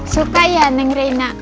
suka ya neng reina